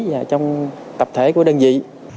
và trong tập thể của đơn vị